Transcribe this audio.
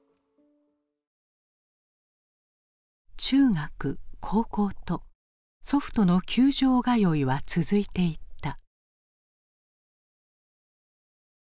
中学高校と祖父との球場通いは続いていった。